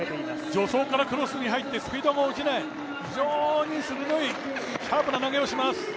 助走からクロスに入ってスピードも落ちない、非常に鋭いシャープな投げをします。